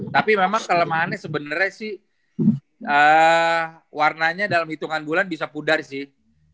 tapi memang kelemahannya sebenernya sih warnanya dalam hitungan bulan bisa pudar sih